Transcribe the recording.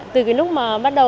từ cái lúc mà bắt đầu